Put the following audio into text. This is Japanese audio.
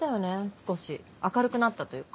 少し明るくなったというか。